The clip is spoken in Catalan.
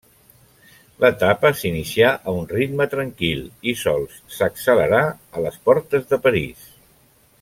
L'etapa s'inicià a un ritme tranquil i sols s'accelerà a les portes de París.